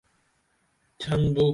ڇھن بو!